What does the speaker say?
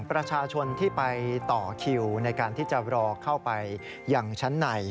ประชาชนที่ไปต่อคิวในการที่จะรอเข้าไปยังชั้นใน